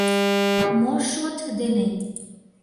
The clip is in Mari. — Мо шот дене?